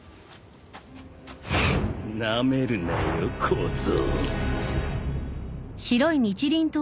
なめるなよ小僧。